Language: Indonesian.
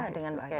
dengan cash lah